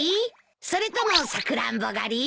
それともサクランボ狩り？